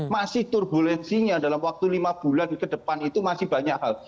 masih turbulensinya dalam waktu lima bulan ke depan itu masih banyak hal